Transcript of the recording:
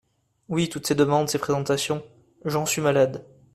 Oui, toutes ces demandes, ces présentations… j’en suis malade !…